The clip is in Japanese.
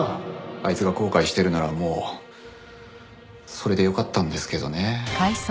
あいつが後悔してるならもうそれでよかったんですけどね。